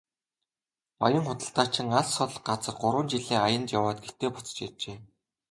Баян худалдаачин алс хол газар гурван жилийн аянд яваад гэртээ буцаж иржээ.